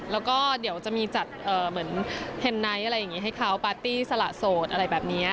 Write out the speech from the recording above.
แล้วก็เดี๋ยวจะมีจัดเต็มกันให้เขาปาร์ตี้สละโสดอะไรแบบนี้